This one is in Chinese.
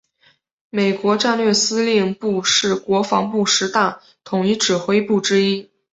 美国战略司令部是国防部十大统一指挥部之一。